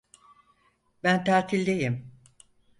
Ben tatildeyim.